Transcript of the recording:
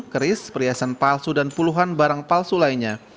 keris perhiasan palsu dan puluhan barang palsu lainnya